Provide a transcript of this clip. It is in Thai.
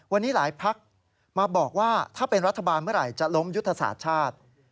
วันนี้หลายพักมาบอกว่าถ้าเป็นรัฐบาลเมื่อไหร่จะล้มยุทธศาสตร์ชาติ